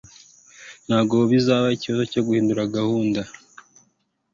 ntabwo bizaba ikibazo cyo guhindura gahunda